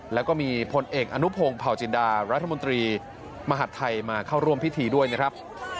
แล้วก็มีพลเอกอนุพงศ์เผาจินดารัฐมนตรีมหาดไทยมาเข้าร่วมพิธีด้วยนะครับ